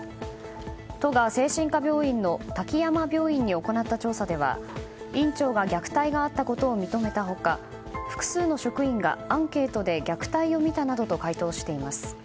都が精神科病院の滝山病院に行った調査では院長が虐待があったことを認めた他、複数の職員がアンケートで虐待を見たなどと回答しています。